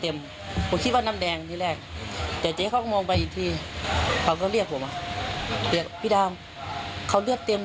ที่ถ้าตอนให้ไม่ออกมากว่าเราทิ้งได้มันเองแล้วตอนที่เราได้น่าสังใจทางทำอะไรกันก็ถูกเจ็บได้